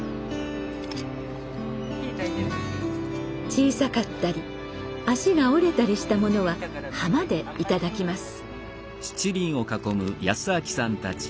小さかったり足が折れたりしたものは浜でいただきます。